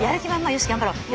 よし頑張ろう。